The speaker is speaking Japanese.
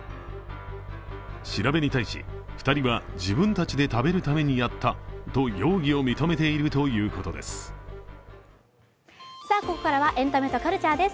調べに対し、２人は自分たちで食べるためにやったと容疑を認めているということです。